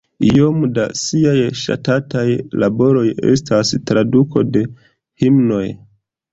Iom da siaj ŝatataj laboroj estas traduko de himnoj.